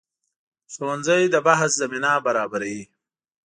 ښوونځی د بحث زمینه برابروي